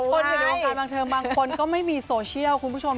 คนพี่ดูโอกาสบางเทิมบางคนก็ไม่มีโซเชียลคุณผู้ชม